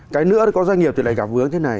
cái nữa có doanh nghiệp thì lại gặp vướng thế này